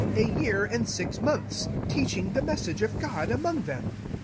ft year and six months ; teach ing the word of God among them.